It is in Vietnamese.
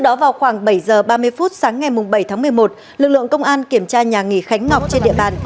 đó vào khoảng bảy h ba mươi phút sáng ngày bảy tháng một mươi một lực lượng công an kiểm tra nhà nghỉ khánh ngọc trên địa bàn